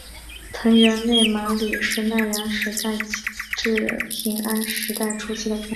藤原内麻吕是奈良时代至平安时代初期的公卿。